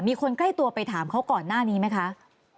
มีคนใกล้ตัวไปถามเขาก่อนหน้านี้ไหมคะ